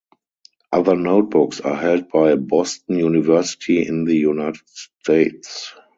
Other notebooks are held by Boston University in the United States.